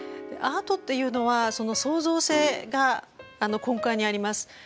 アートっていうのは創造性が根幹にあります。